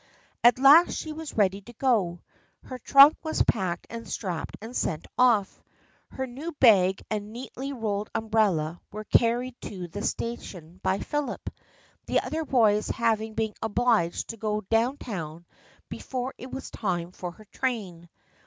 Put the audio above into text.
At last she was ready to go. Her trunk was packed and strapped and sent off. Her new bag and neatly rolled umbrella were carried to the sta tion by Philip, the other boys having been obliged to go down town before it was time for her train.